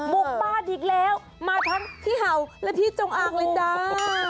บุกบ้านอีกแล้วมาทั้งที่เห่าและที่จงอางเลยจ้า